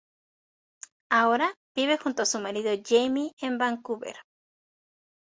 Ahora vive junto con su marido Jamie en Vancouver.